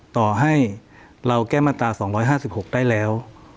ต่อให้เราแก้มาตรา๒๕๖ได้แล้ว